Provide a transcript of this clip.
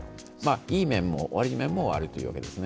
いい面も悪い面もあるというわけですね。